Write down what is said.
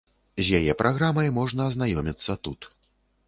З яе праграмай можна азнаёміцца тут.